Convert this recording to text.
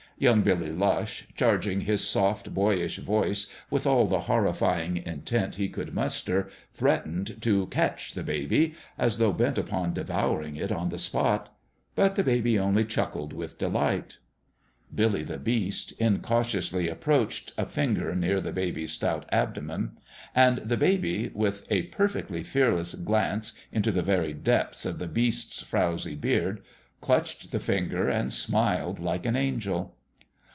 Young Billy Lush, charging his soft, boyish voice with all the horrifying intent he could muster, threatened to " catch " the baby, as though bent upon devouring it on the spot ; but the baby only chuckled with delight. Billy the Beast incautiously approached a finger near the baby's stout abdomen ; and the baby with The MAKING of a MAN 103 a perfectly fearless glance into the very depths of the Beast's frowzy beard clutched the finger and smiled like an angel.